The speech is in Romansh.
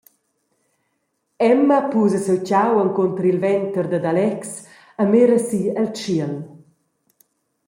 Emma pusa siu tgau encunter il venter dad Alex e mira si el tschiel.